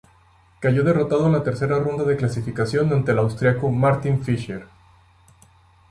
Cayó derrotado en la tercera ronda de clasificación ante el austríaco Martin Fischer.